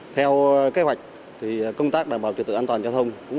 theo kế hoạch thì công tác đảm bảo trực tự an toàn giao thông